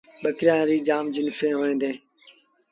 ٻڪريآݩ ريٚݩ جآم جنسيٚݩ هوئيݩ ديٚݩ۔